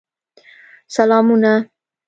سلامونه !